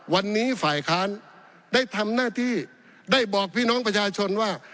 วันนี้ฝ่ายค้านได้ทำหน้าที่ได้บอกพี่น้องประชาชนว่า